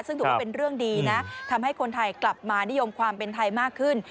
ซึ่งถือว่าเป็นเรื่องดีนะทำให้คนไทยกลับมานิยมความเป็นไทยมากขึ้น